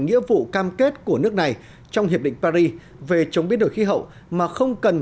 nghĩa vụ cam kết của nước này trong hiệp định paris về chống biến đổi khí hậu mà không cần